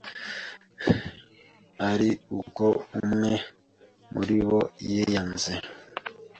ari uko umwe muribo yiyanze